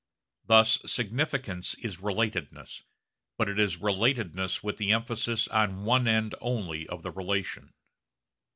Thus significance is relatedness, but it is relatedness with the emphasis on one end only of the relation.